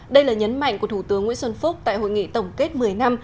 đây là nhấn mạnh của thủ tướng nguyễn xuân phúc tại hội nghị tổng kết một mươi năm